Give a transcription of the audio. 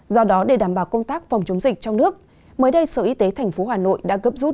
do đó để đảm bảo công tác phòng chống dịch trong nước mới đây sở y tế tp hà nội đã gấp rút